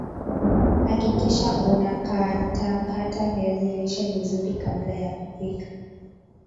hakikisha unakatakata viazi lishe vizuri kabla ya kupika